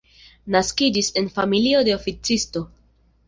Naskiĝis en familio de oficisto.